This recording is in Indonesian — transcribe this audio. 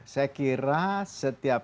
saya kira setiap